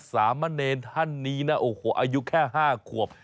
สามะเนรท่านนี้นะโอ้โหอายุแค่๕ขวบ